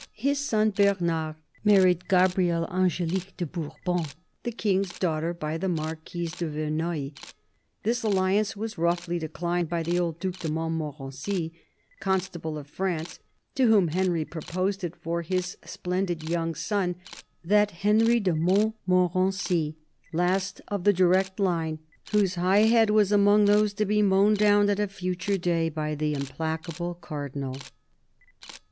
His son, Bernard, married Gabrielle AngeUque de Bourbon, the King's daughter by the Marquise de Verneuil. This alliance was roughly declined by the old Due de Montmorency, Constable of France, to whom Henry proposed it for his splendid young son, that Henry de Montmorency, last of the direct line, whose high head was among those to be mown down, at a future day, by^the implacable Cardinal.